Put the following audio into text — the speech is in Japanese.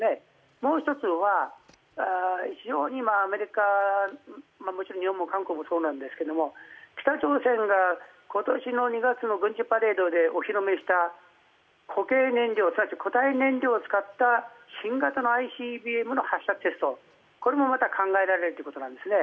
もう一つは非常にアメリカもちろん日本も韓国もそうなんですけど北朝鮮が今年の２月の軍事パレードでお披露目した固形燃料、すなわち固体燃料を使った新型のＩＣＢＭの発射テスト、これも考えられるということなんですね。